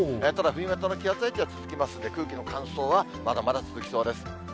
ただ、冬型の気圧配置は続きますんで、空気の乾燥はまだまだ続きそうです。